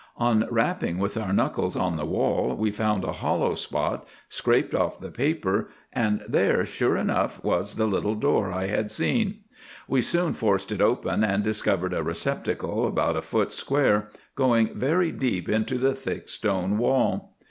"On rapping with our knuckles on the wall we found a hollow spot, scraped off the paper, and there sure enough was the little door I had seen. We soon forced it open, and discovered a receptacle, about a foot square, going very deep into the thick stone wall.